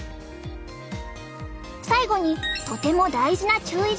最後にとても大事な注意事項。